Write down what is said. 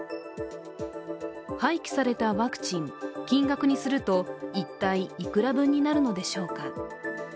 廃棄されたワクチン、金額にすると一体いくら分になるのでしょうか。